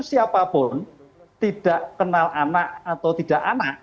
siapapun tidak kenal anak atau tidak anak